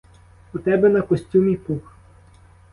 У тебе на костюмі пух!